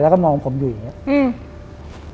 แล้วก็มองผมอยู่อย่างนี้